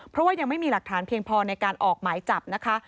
เพราะว่ายังไม่มีหลักฐานเพียงพอในการออกหมายจับนะคะ